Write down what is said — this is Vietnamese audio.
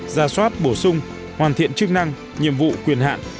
ra soát bổ sung hoàn thiện chức năng nhiệm vụ quyền hạn